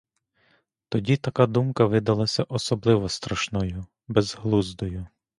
Тоді така думка видалась особливо страшною, безглуздою.